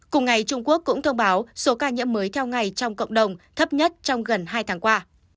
cùng ngày trung quốc cũng thông báo số ca nhiễm mới theo ngày trong cộng đồng thấp nhất trong gần hai tháng qua